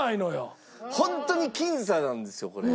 ホントに僅差なんですよこれ。